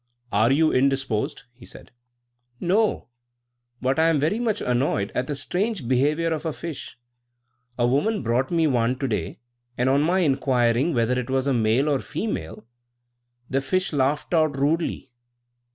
"Are you indisposed?" he said. "No; but I am very much annoyed at the strange behaviour of a fish. A woman brought me one to day, and on my inquiring whether it was a male or female, the fish laughed most rudely."